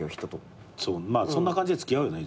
そんな感じで付き合うよね